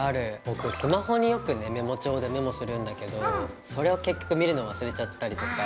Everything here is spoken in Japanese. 僕スマホによくねメモ帳でメモするんだけどそれを結局見るのを忘れちゃったりとか。